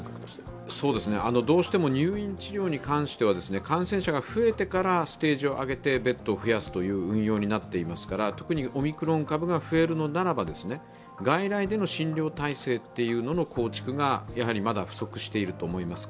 どうしても入院治療に関しては感染者が増えてからステージを上げてベッドを増やすという運用になってますから特にオミクロン株が増えるのならば、外来での診療体制の構築がまだ不足していると思います。